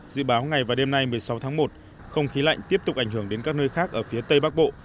dự báo ngày và đêm nay một mươi sáu tháng một không khí lạnh tiếp tục ảnh hưởng đến các nơi khác ở phía tây bắc bộ